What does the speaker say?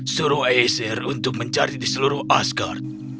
suruh eser untuk mencari di seluruh asgard